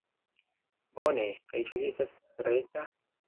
Bone. Kaj ĉu vi estas preta?